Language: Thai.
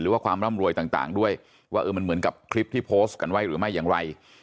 ความร่ำรวยต่างด้วยว่าเออมันเหมือนกับคลิปที่โพสต์กันไว้หรือไม่อย่างไร